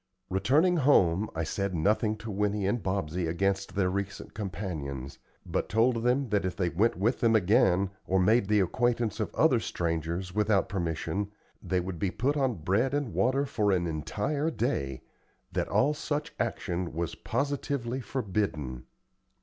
Returning home, I said nothing to Winnie and Bobsey against their recent companions, but told them that if they went with them again, or made the acquaintance of other strangers without permission, they would be put on bread and water for an entire day that all such action was positively forbidden.